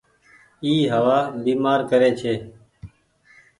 اي هوآ بيمآر ڪري ڇي۔